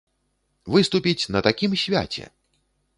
Выступіць на такім свяце!